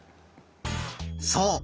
そう！